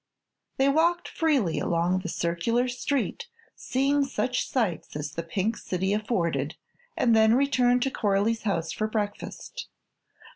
They walked freely along the circular street, seeing such sights as the Pink City afforded, and then returned to Coralie's house for breakfast.